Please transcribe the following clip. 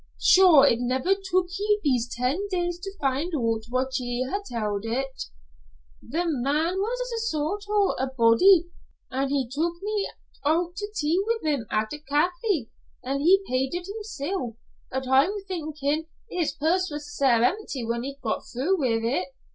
Surely it never took ye these ten days to find oot what ye ha'e tell't." "The man was a kind sort o' a body, an' he took me oot to eat wi' him at a cafy, an' he paid it himsel', but I'm thinkin' his purse was sair empty whan he got through wi' it.